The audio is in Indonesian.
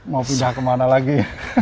mau pindah kemana lagi